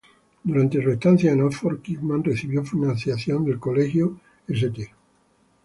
Durante su estancia en Oxford, Kingman recibió financiación del Colegio St.